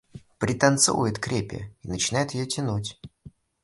Пританцовывает к репе и начинает её тянуть.